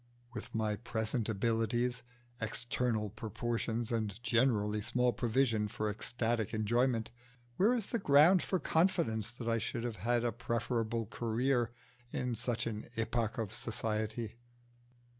With my present abilities, external proportions, and generally small provision for ecstatic enjoyment, where is the ground for confidence that I should have had a preferable career in such an epoch of society?